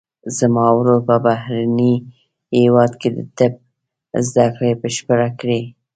زما ورور په بهرني هیواد کې د طب زده کړه بشپړه کړه